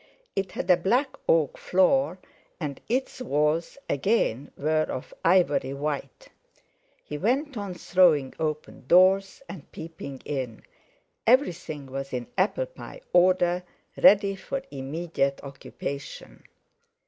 It had a black oak floor, and its walls, again, were of ivory white. He went on throwing open doors, and peeping in. Everything was in apple pie order, ready for immediate occupation.